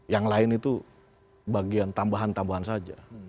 yang lain itu bagian tambahan tambahan saja